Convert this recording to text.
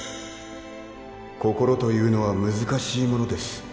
心というのは難しいものです。